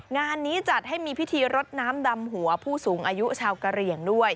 งานนี้จัดให้มีพิธีรดน้ำดำหัวผู้สูงอายุชาวกะเหลี่ยงด้วย